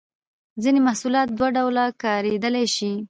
ځینې محصولات دوه ډوله کاریدای شي.